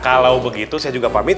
kalau begitu saya juga pamit